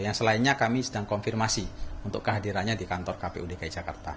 yang selainnya kami sedang konfirmasi untuk kehadirannya di kantor kpu dki jakarta